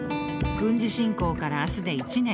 軍事侵攻から明日で１年。